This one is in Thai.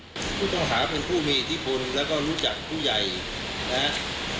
ผู้ต้องหาเป็นผู้มีอิทธิพลแล้วก็รู้จักผู้ใหญ่นะครับ